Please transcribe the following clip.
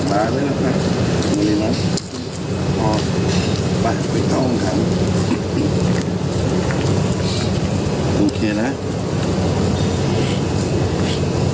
พ่อไปเข้าห้องขัง